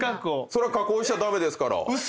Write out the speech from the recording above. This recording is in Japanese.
そら加工しちゃ駄目ですから。